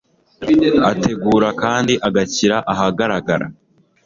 Ategura kandi agashyira ahagaragara